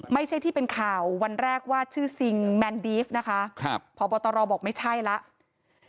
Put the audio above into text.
ไม่ใช่ที่เป็นข่าววันแรกว่าชื่อซิงแมนดีฟพบบอกไม่ใช่แล้ว